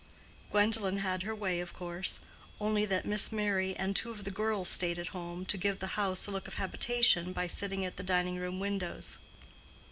Gwendolen had her way, of course; only that Miss Merry and two of the girls stayed at home, to give the house a look of habitation by sitting at the dining room windows.